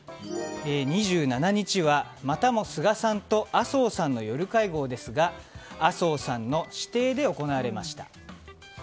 ２７日はまたも菅さんと麻生さんの夜会合ですが麻生さんの私邸で行われました。